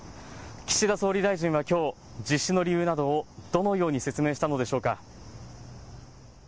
岸田総理大臣はきょう実施の理由などをどのように説明したのでしょうか。